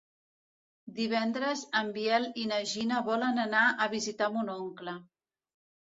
Divendres en Biel i na Gina volen anar a visitar mon oncle.